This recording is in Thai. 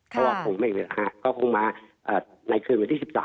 เพราะว่าคงไม่มีราคาก็คงมาในคืนวันที่๑๓